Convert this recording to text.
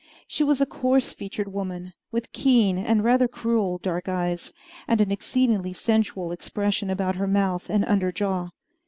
She was a coarse featured woman, with keen and rather cruel dark eyes, and an exceedingly sensual expression about her mouth and under jaw.